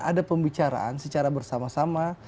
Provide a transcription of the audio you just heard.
ada pembicaraan secara bersama sama